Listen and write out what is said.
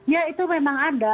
ya itu memang ada